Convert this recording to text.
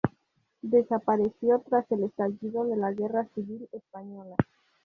Desapareció tras el estallido de la Guerra Civil Española.